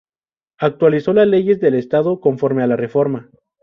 Actualizó las leyes del Estado conforme a la Reforma.